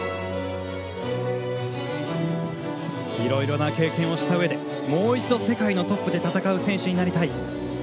色々な経験をしたうえでもう一度世界のトップで戦う選手になりたい。